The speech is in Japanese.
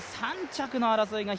３着の争いが